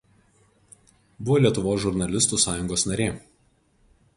Buvo Lietuvos žurnalistų sąjungos narė.